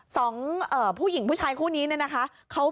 สองผู้หญิงผู้ชายคู่นี้เนี่ยนะคะ